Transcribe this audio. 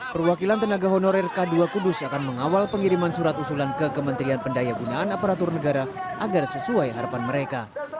perwakilan tenaga honorer k dua kudus akan mengawal pengiriman surat usulan ke kementerian pendaya gunaan aparatur negara agar sesuai harapan mereka